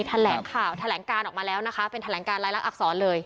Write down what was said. แถลงข่าวแถลงการออกมาแล้วนะคะเป็นแถลงการรายลักษณอักษรเลย